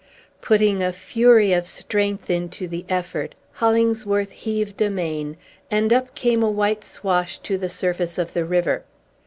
Putting a fury of strength into the effort, Hollingsworth heaved amain, and up came a white swash to the surface of the river.